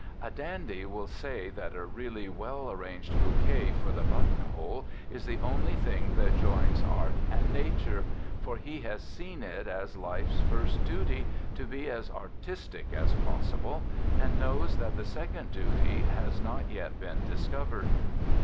A dandy will say that a really well arranged bouquet for the buttonhole is the only thing that joins art and nature, for he has seen it as life's first duty to be as artistic as possible, and knows that the second duty has not yet been discovered.